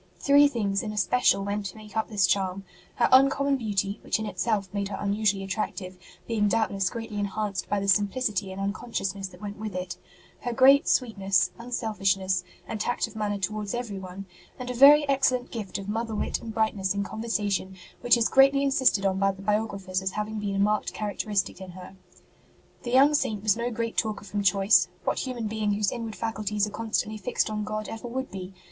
Three things in especial went to make up this charm : her uncommon beauty, which in itself made her unusually attractive, being doubtless greatly enhanced by the simplicity and un consciousness that went with it ; her great sweet ness, unselfishness, and tact of manner towards everyone ; and a very excellent gift of mother wit and brightness in conversation which is greatly insisted on by the biographers as having been a marked characteristic in her. The young Saint was no great talker from choice what human being whose inward faculties are constantly fixed on God ever would be